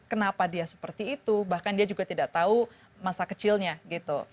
kenapa dia seperti itu bahkan dia juga tidak tahu masa kecilnya gitu